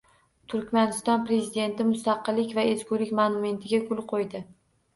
Turkmaniston Prezidenti Mustaqillik va ezgulik monumentiga gul qo‘ydi